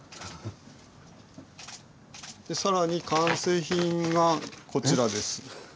更に完成品がこちらです。